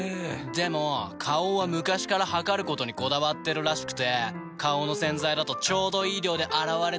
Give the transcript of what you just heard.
でも花王は昔から量ることにこだわってるらしくて花王の洗剤だとちょうどいい量で洗われてるなって。